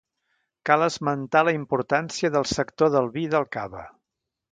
Cal esmentar la importància del sector del vi i del cava.